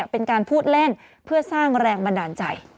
เป็นการพูดเล่นเพื่อสร้างแรงบันดาลใจ